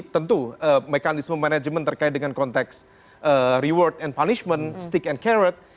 tentu mekanisme manajemen terkait dengan konteks reward and punishment stick and carrot